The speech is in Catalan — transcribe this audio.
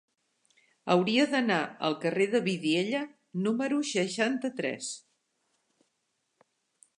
Hauria d'anar al carrer de Vidiella número seixanta-tres.